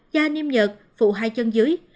da niêm nhợt phụ hai chân dưới